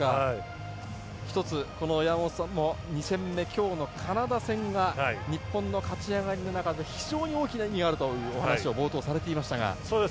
１つ、山本さんも２戦目今日のカナダ戦が日本の勝ち上がりの中で非常に大きな意味があるというお話を冒頭されていましたが。